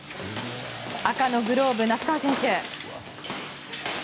赤のグローブ、那須川選手。